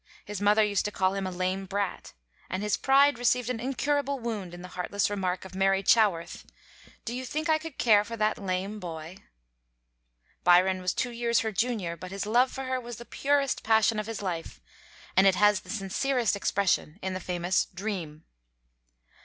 His mother used to call him "a lame brat," and his pride received an incurable wound in the heartless remark of Mary Chaworth, "Do you think I could care for that lame boy?" Byron was two years her junior, but his love for her was the purest passion of his life, and it has the sincerest expression in the famous 'Dream.'